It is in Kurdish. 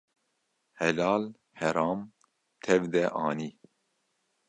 Helal heram tev de anî